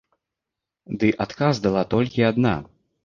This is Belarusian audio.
Ды адказ дала толькі адна.